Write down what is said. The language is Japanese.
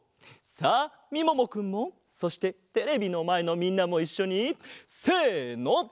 さあみももくんもそしてテレビのまえのみんなもいっしょにせの！